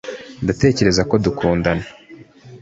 ndatekereza ko dukundana